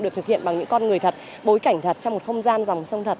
được thực hiện bằng những con người thật bối cảnh thật trong một không gian dòng sông thật